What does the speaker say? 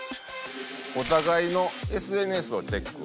「お互いのＳＮＳをチェック」